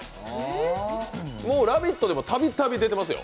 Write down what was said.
「ラヴィット！」でもたびたび出てますよ。